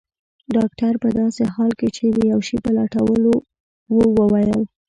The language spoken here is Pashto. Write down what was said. ډاکټر په داسې حال کې چي د یو شي په لټولو وو وویل.